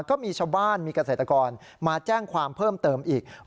ก็มีชาวบ้านมีเกษตรกรมาแจ้งความเพิ่มเติมอีก